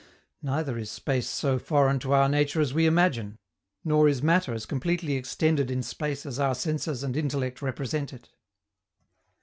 Neither is space so foreign to our nature as we imagine, nor is matter as completely extended in space as our senses and intellect represent it.